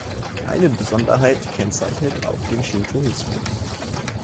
Eine Besonderheit kennzeichnet auch den Shintoismus.